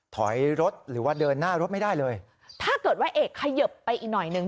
ถอยรถหรือว่าเดินหน้ารถไม่ได้เลยถ้าเกิดว่าเอกเขยิบไปอีกหน่อยหนึ่ง